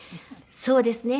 そうですね。